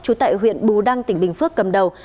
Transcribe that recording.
trú tại huyện bù đăng tỉnh bình phước cầm đầu